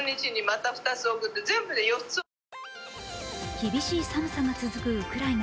厳しい寒さが続くウクライナ。